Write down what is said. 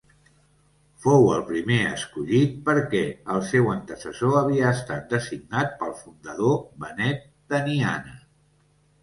Fou el primer escollit perquè el seu antecessor havia estat designat pel fundador Benet d'Aniana.